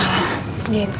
apa ada mama disini ya